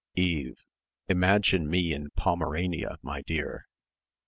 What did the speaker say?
Eve, "Imagine me in Pomerania, my dear"